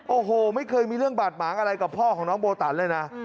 โอ้โหไม่เคยมีเรื่องบาดหมางอะไรกับพ่อของน้องโบตันเลยนะ